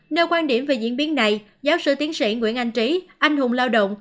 nêu quan điểm về diễn biến này giáo sư tiến sĩ nguyễn anh trí anh hùng lao động